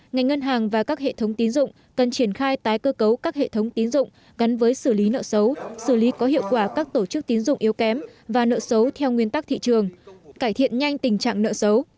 ngành ngân hàng và các hệ thống tín dụng cần triển khai tái cơ cấu các hệ thống tín dụng gắn với xử lý nợ xấu xử lý có hiệu quả các tổ chức tín dụng yếu kém và nợ xấu theo nguyên tắc thị trường cải thiện nhanh tình trạng nợ xấu